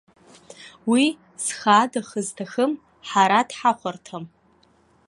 Уи, зхы ада хы зҭахым, ҳара дҳахәарҭам!